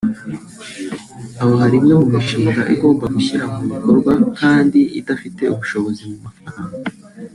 aho hari imwe mu mishinga igomba gushyira mu bikorwa kandi idafitiye ubushobozi mu mafaranga